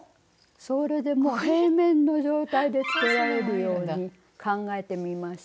それでもう平面の状態でつけられるように考えてみました。